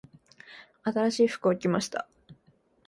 新しい服を着ました。